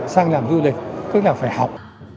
sang làm du lịch tức là phải học